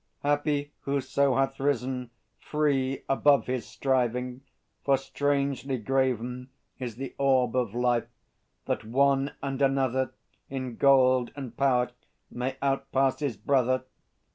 Happy whoso hath risen, free, Above his striving. For strangely graven Is the orb of life, that one and another In gold and power may outpass his brother.